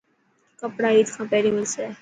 ڪپڙا عيد کان پهرين ملسي؟